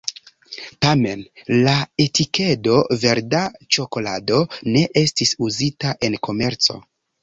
Tamen la etikedo “verda ĉokolado ne estis uzita en komerco.